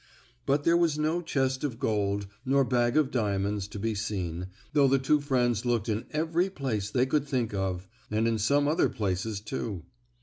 But there was no chest of gold, nor bag of diamonds, to be seen, though the two friends looked in every place they could think of, and in some other places, too.